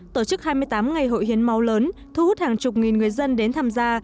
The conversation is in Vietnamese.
tổ chức hai mươi tám ngày hội hiến máu lớn thu hút hàng chục nghìn người dân đến tham gia